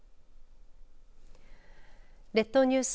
列島ニュース